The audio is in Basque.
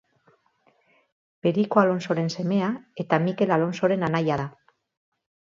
Periko Alonsoren semea eta Mikel Alonsoren anaia da.